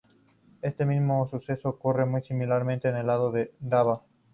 Este mismo suceso, ocurre muy similarmente en el lado de babor.